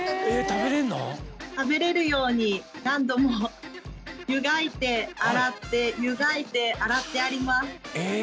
食べれるように何度も湯がいて洗って湯がいて洗ってあります。